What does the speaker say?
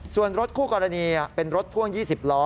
ส่วนรถคู่กรณีเป็นรถพ่วง๒๐ล้อ